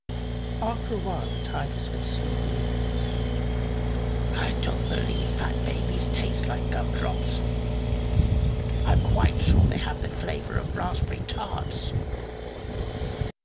After a while the Tiger said sleepily: "I don't believe fat babies taste like gumdrops. I'm quite sure they have the flavor of raspberry tarts.